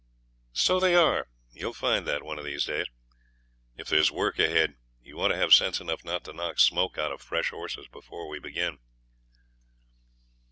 'So they are. You'll find that one of these days. If there's work ahead you ought to have sense enough not to knock smoke out of fresh horses before we begin.'